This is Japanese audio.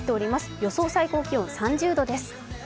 予想最高気温、３０度です。